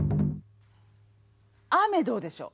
雨どうでしょう？